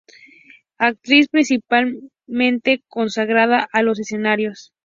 Actriz principalmente consagrada a los escenarios.